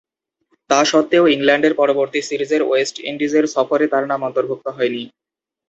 তাস্বত্ত্বেও ইংল্যান্ডের পরবর্তী সিরিজের ওয়েস্ট ইন্ডিজের সফরে তার নাম অন্তর্ভুক্ত হয়নি।